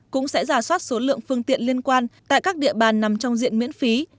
cũng sẽ giả soát số lượng phương tiện liên quan tại các địa bàn nằm trong diện miễn phí